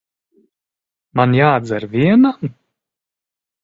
Man jādzer vienam?